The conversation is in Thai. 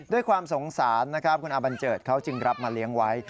ด้วยความสงสารนะครับคุณอาบันเจิดเขาจึงรับมาเลี้ยงไว้